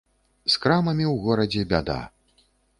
З крамамі ў горадзе бяда.